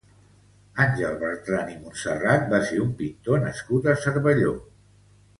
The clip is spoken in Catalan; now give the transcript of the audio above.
Àngel Bertran i Montserrat va ser un pintor nascut a Cervelló.